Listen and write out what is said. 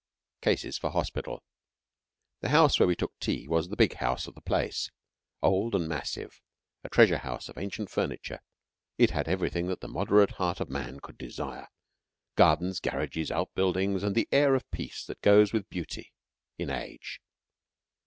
CASES FOR HOSPITAL The house where we took tea was the "big house" of the place, old and massive, a treasure house of ancient furniture. It had everything that the moderate heart of man could desire gardens, garages, outbuildings, and the air of peace that goes with beauty in age.